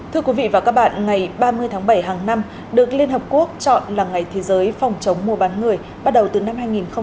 thưa quý vị và các bạn ngày ba mươi tháng bảy hàng năm được liên hợp quốc chọn là ngày thế giới phòng chống mua bán người bắt đầu từ năm hai nghìn một mươi tám